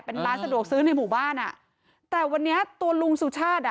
เป็นร้านสะดวกซื้อในหมู่บ้านอ่ะแต่วันนี้ตัวลุงสุชาติอ่ะ